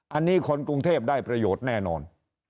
อันนี้คนกรุงเทพได้ประโยชน์แน่นอน